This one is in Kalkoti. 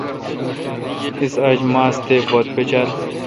اس اج ماس تے بت پچال۔